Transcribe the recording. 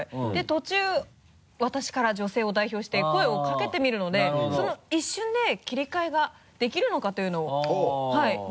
途中私から女性を代表して声をかけてみるのでその一瞬で切り替えができるのかというのを。